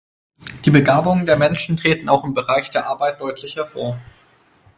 Die Begabungen der Menschen treten auch im Bereich der Arbeit deutlich hervor.